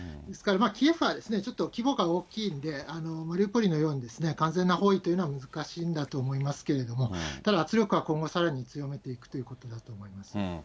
ですから、キエフはちょっと規模が大きいんで、マリウポリのように完全な包囲というのは難しいんだと思いますけど、ただ、圧力は今後さらに強めていくということだと思います。